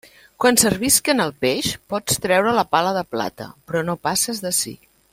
Quan servisquen el peix pots traure la pala de plata, però no passes d'ací.